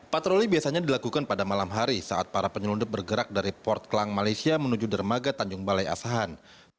patroli biasanya dilakukan pada malam hari saat para penyelundup bergerak dari port klang malaysia menuju dermaga tanjung balai asahan